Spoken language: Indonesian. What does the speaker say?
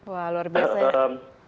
wah luar biasa ya